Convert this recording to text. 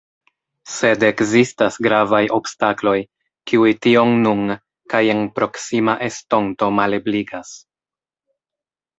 Sed ekzistas gravaj obstakloj, kiuj tion nun kaj en proksima estonto malebligas.